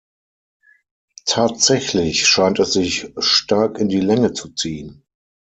Tatsächlich scheint es sich stark in die Länge zu ziehen.